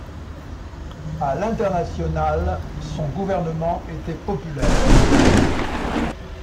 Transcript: À l'international, son gouvernement était populaire.